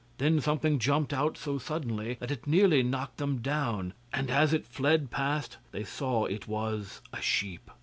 Then something jumped out so suddenly, that it nearly knocked them down, and as it fled past, they saw it was a sheep.